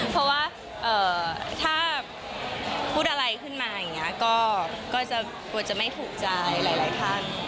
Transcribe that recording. เพราะว่าถ้าพูดอะไรขึ้นมาอย่างนี้ก็จะกลัวจะไม่ถูกใจหลายท่าน